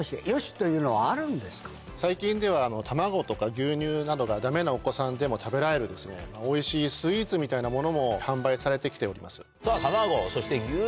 最近では卵とか牛乳などがダメなお子さんでも食べられるおいしいスイーツみたいなものも販売されてきております。